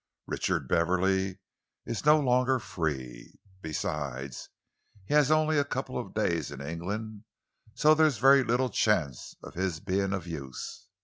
Richard Beverley is no longer free. Besides, he has only a couple of days in England, so there's very little chance of his being of use.